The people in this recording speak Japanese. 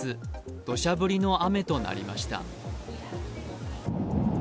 土砂降りの雨となりました。